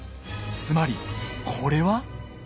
つまりこれは。